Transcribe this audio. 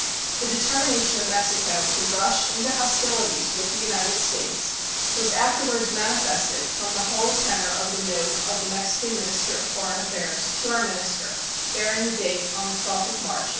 The determination of Mexico to rush into hostilities with the United States was afterwards manifested from the whole tenor of the note of the Mexican minister of foreign affairs to our minister bearing date on the 12th of March, 1846.